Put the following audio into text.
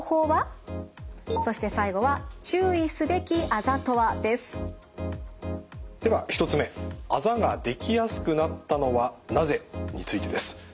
まずはでは１つ目あざができやすくなったのはなぜ？についてです。